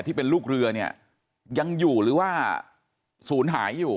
ที่เป็นลูกเรือเนี่ยยังอยู่หรือว่าศูนย์หายอยู่